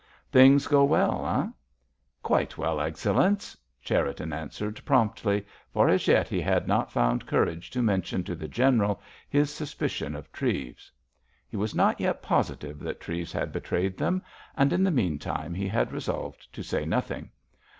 "Things go well, eh?" "Quite well, Excellenz," Cherriton answered promptly, for as yet he had not found courage to mention to the general his suspicion of Treves. He was not yet positive that Treves had betrayed them, and, in the meantime, he had resolved to say nothing.